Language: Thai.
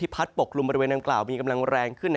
ที่พัดปกกลุ่มบริเวณนังกราวมีกำลังแรงขึ้น